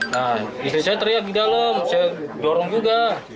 nah disini saya teriak di dalam saya jorong juga